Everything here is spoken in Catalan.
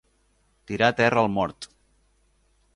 Tirar terra al mort.